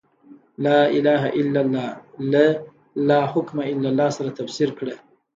«لا اله الا الله» له «لا حاکم الا الله» سره تفسیر کړه.